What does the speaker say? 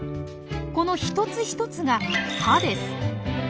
この一つ一つが歯です。